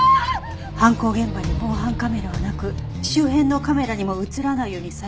犯行現場に防犯カメラはなく周辺のカメラにも映らないように細工した痕跡があったみたい。